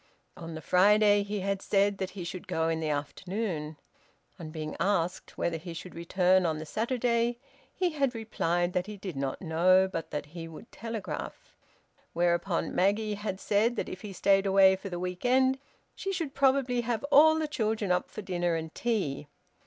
On the Friday he had said that he should go in the afternoon. On being asked whether he should return on the Saturday, he had replied that he did not know, but that he would telegraph. Whereupon Maggie had said that if he stayed away for the week end she should probably have all the children up for dinner and tea.